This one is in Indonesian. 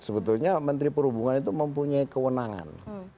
sebetulnya menteri perhubungan itu mempunyai kewenangan